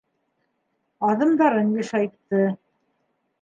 Аҙымдарын йышайтты.